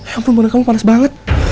ya ampun badan kamu panas banget